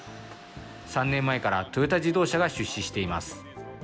３年前からトヨタ自動車が出資しています。